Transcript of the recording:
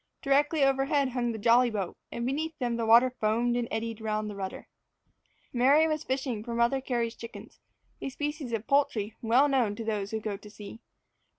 Directly over head hung the jolly boat, and beneath them the water foamed and eddied round the rudder. Mary was fishing for Mother Cary's chickens a species of "poultry" well known to those who go to sea.